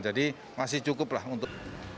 jadi masih cukup lah untuk